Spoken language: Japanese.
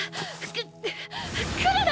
く来るな！